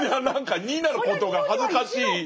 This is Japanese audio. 何か２になることが恥ずかしい。